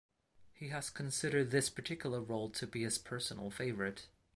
He has considered this particular role to be his personal favorite.